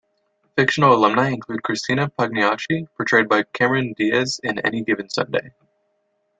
Fictional alumni include Christina Pagniacci, portrayed by Cameron Diaz, in "Any Given Sunday".